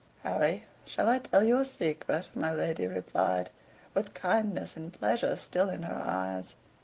"Harry, shall I tell you a secret?" my lady replied, with kindness and pleasure still in her eyes.